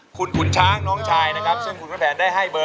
คุณขุนช้างน้องชายนะครับซึ่งคุณพระแผนได้ให้เบอร์